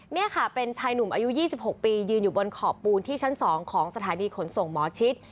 นี่ค่ะเป็นชายหนุ่มอายุ๒๖ปียืนอยู่บนขอบปูนที่ชั้น๒ของสถานีขนส่งหมอชิด